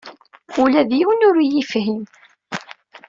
Ula d yiwen ur iyi-yefhim.